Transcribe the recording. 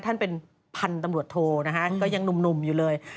ท่านเป็นพันธุ์ตำรวจโทนะฮะก็ยังหนุ่มอยู่เลย